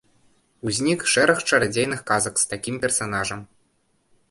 Узнік шэраг чарадзейных казак з такім персанажам.